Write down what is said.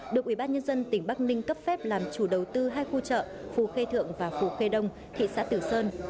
được ủy ban nhân dân tỉnh bắc ninh cấp phép làm chủ đầu tư hai khu chợ phù khê thượng và phù khê đông thị xã tử sơn